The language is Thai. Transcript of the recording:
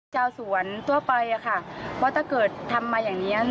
เจ้าสวนตัวไปอ่ะค่ะเพราะถ้าเกิดทำมาอย่างเนี้ย